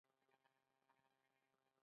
مېلمه د خداى دوست ګڼل کېږي.